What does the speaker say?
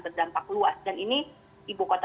berdampak luas dan ini ibu kota